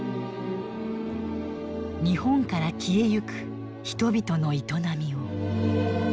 日本から消えゆく人々の営みを。